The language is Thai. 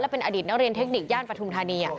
และเป็นอดิตน้องเรียนเทคนิคย่านประทุมธรรมนี้